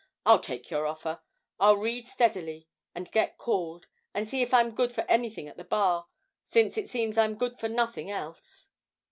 I'll take your offer. I'll read steadily, and get called, and see if I'm good for anything at the Bar, since it seems I'm good for nothing else.'